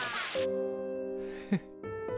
フッ。